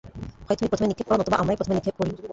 হয় তুমি প্রথমে নিক্ষেপ কর, নতুবা আমরাই প্রথমে নিক্ষেপ করি।